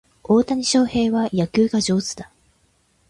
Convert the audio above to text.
大谷翔平は野球が上手だ